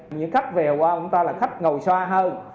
những khách về qua chúng ta là khách ngầu xoa hơn